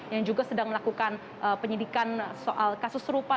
yang juga sedang melakukan penyidikan soal kasus serupa